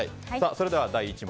それでは第１問。